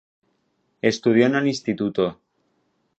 Estudió en el Inst.